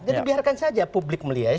jadi biarkan saja publik melihatnya